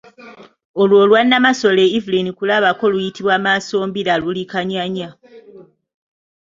Lwo olwa Nnamasole Evelyn Kulabako oluyitibwa Maasombira luli Kanyanya.